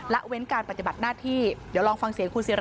และเว้นการปัจจบัติหน้าที่